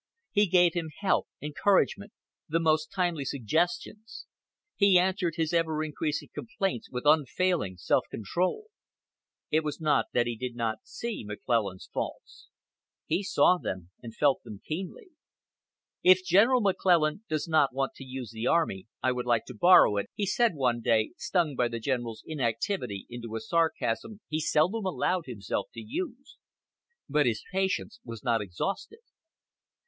He gave him help, encouragement, the most timely suggestions. He answered his ever increasing complaints with unfailing self control. It was not that he did not see McClellan's faults. He saw them, and felt them keenly. "If Gen. McClellan does not want to use the army, I would like to borrow it," he said one day, stung by the General's inactivity into a sarcasm he seldom allowed himself to use. But his patience was not exhausted.